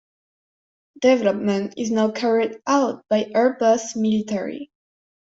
Development is now carried out by Airbus Military.